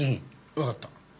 わかった。